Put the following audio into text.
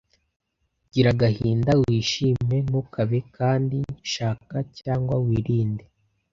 Gira agahinda! wishime! ntukabe kandi! shaka, cyangwa wirinde!